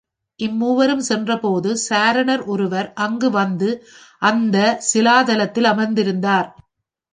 இம்மூவரும் சென்றபோது சாரணர் ஒருவர் அங்கு வந்து அந்தச் சிலாதலத்தில் அமர்ந்திருந்தார்.